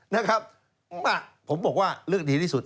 นะครับมาผมบอกว่าเลือกดีที่สุด